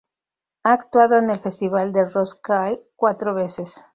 Ha actuado en el Festival de Roskilde cuatro veces.